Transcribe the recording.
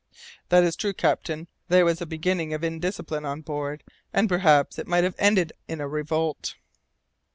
"That is true, captain; there was a beginning of indiscipline on board, and perhaps it might have ended in a revolt."